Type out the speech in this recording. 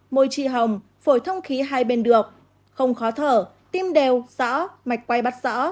môi trì hồng phổi thông khí hai bên được không khó thở tim đều rõ mạch quay bắt rõ